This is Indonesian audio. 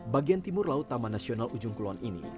bagian timur laut taman nasional ujung kulon ini